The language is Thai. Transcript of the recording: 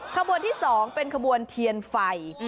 ขบวนที่๒เป็นขบวนเทียนไฟ